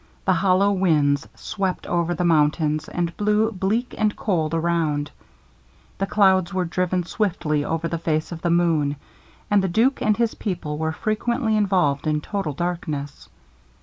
The hollow winds swept over the mountains, and blew bleak and cold around; the clouds were driven swiftly over the face of the moon, and the duke and his people were frequently involved in total darkness.